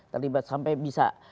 terlibat sampai bisa